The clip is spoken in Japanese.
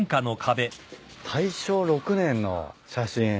大正６年の写真。